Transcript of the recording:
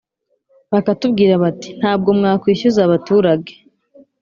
bakatubwira bati ntabwo mwakwishyuza abaturage